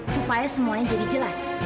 supaya semuanya jadi jelas